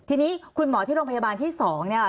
ทีนี้คุณหมอที่โรงพยาบาลที่๒เนี่ยค่ะ